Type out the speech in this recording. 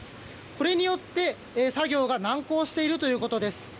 これによって作業が難航しているということです。